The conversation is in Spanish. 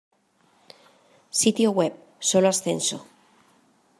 Sitio Web: Solo Ascenso.